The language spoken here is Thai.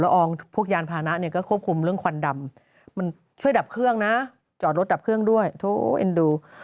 รับรับรับรับรับรับรับ